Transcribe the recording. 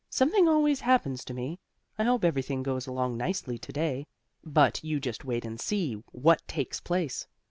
Something always happens to me. I hope everything goes along nicely to day." But you just wait and see what takes place.